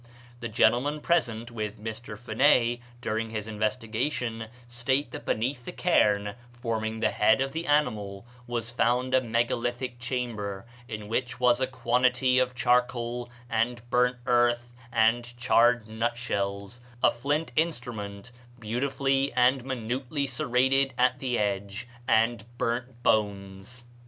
The gentlemen present with Mr. Phené during his investigation state that beneath the cairn forming the head of the animal was found a megalithic chamber, in which was a quantity of charcoal and burnt earth and charred nutshells, a flint instrument, beautifully and minutely serrated at the edge, and burnt bones.